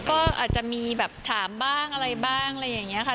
ก็อาจจะมีแบบถามบ้างอะไรบ้างอะไรอย่างนี้ค่ะ